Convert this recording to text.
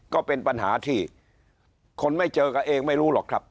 ก็เป็นปัญหาที่คนไม่เจอกันเองไม่รู้หรอกครับ